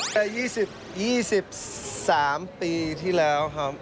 แต่๒๓ปีที่แล้วครับ